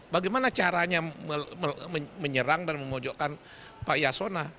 bagaimana caranya menyerang dan memojokkan pak yasona